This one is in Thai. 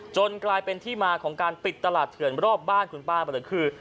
กลายเป็นที่มาของการปิดตลาดเถื่อนรอบบ้านคุณป้าไปเลยคือ